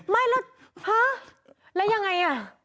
ฮะไม่แล้วฮะแล้วยังไง